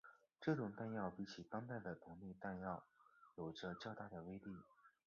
这种弹药比起当代的同类弹种有着较大的威力。